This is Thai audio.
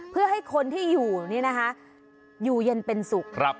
เพื่อให้คนที่อยู่นี่นะคะอยู่เย็นเป็นสุข